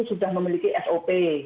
sudah memiliki sop